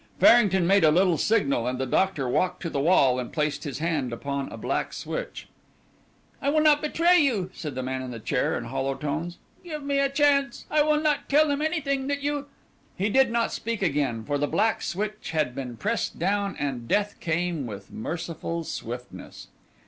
Farrington made a little signal and the doctor walked to the wall and placed his hand upon a black switch. "I will not betray you," said the man in the chair in hollow tones. "Give me a chance. I will not tell them anything that you " He did not speak again, for the black switch had been pressed down and death came with merciful swiftness.